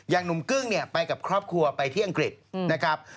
หนุ่มกึ้งเนี่ยไปกับครอบครัวไปที่อังกฤษนะครับ